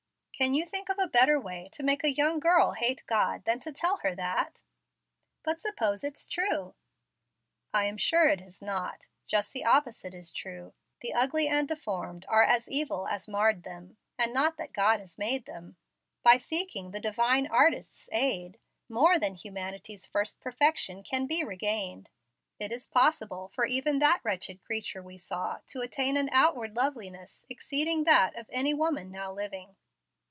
"Can you think of a better way to make a young girl hate God than to tell her that?" "But suppose it's true." "I am sure it is not. Just the opposite is true. The ugly and deformed are as evil has marred them, and not as God has made them. By seeking the Divine Artist's aid more than humanity's first perfection can be regained. It is possible for even that wretched creature we saw to attain an outward loveliness exceeding that of any woman now living."